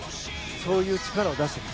そういう力を出している。